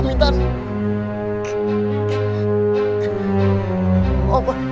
biar kita jangan disini selama lamanya